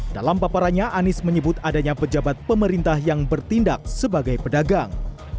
dalam paparannya anies menyebut adanya pejabat pemerintah yang bertindak sebagai pedagang